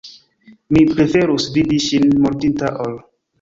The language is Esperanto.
Mi preferus vidi ŝin mortinta ol.